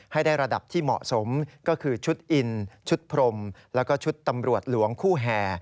ให้ได้ระดับที่เหมาะสมก็คือชุดอินชุดพรมแล้วก็ชุดตำรวจหลวงคู่แห่